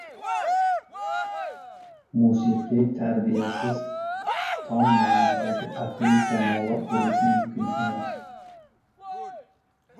Musiqiy tarbiyasiz tom ma’nodagi aqliy kamolot bo‘lishi mumkin emas.